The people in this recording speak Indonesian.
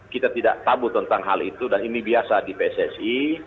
kita tidak tabu tentang hal itu dan ini biasa di pssi